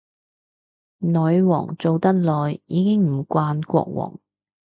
女皇做得耐，已經唔慣國王